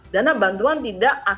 dana bantuan tidak